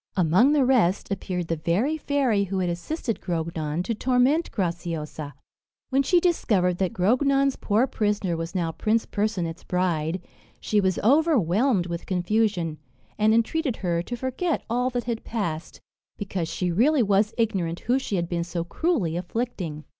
Among the rest, appeared the very fairy who had assisted Grognon to torment Graciosa. When she discovered that Grognon's poor prisoner was now Prince Percinet's bride, she was overwhelmed with confusion, and entreated her to forget all that had passed, because she really was ignorant who she had been so cruelly afflicting.